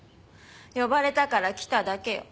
呼ばれたから来ただけよ。